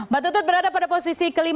mbak tutut berada pada posisi ke lima